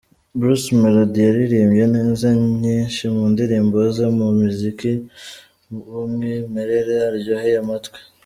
Bruce Melodie yaririmbye neza nyinshi mu ndirimbo ze, mu muziki w'umwimerere uryoheye amatwi.